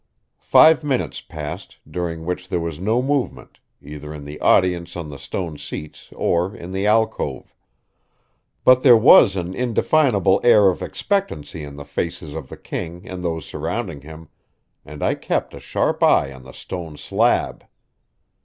Five minutes passed, during which there was no movement, either in the audience on the stone seats or in the alcove. But there was an indefinable air of expectancy on the faces of the king and those surrounding him, and I kept a sharp eye on the stone slab.